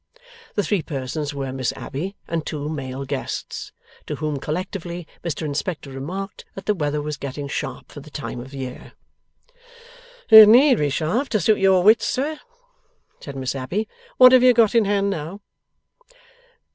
The three persons were Miss Abbey and two male guests. To whom collectively, Mr Inspector remarked that the weather was getting sharp for the time of year. 'It need be sharp to suit your wits, sir,' said Miss Abbey. 'What have you got in hand now?